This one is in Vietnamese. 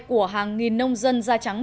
của hàng nghìn nông dân da trắng